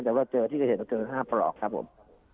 แต่ว่าเจอ๕ปลอกครับผม